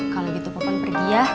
kalau gitu papan pergi ya